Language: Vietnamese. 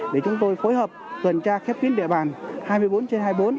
để chúng tôi phối hợp tuần tra khép kín địa bàn hai mươi bốn trên hai mươi bốn